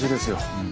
うん。